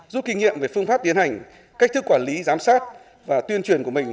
rút kinh nghiệm về phương pháp tiến hành cách thức quản lý giám sát và tuyên truyền của mình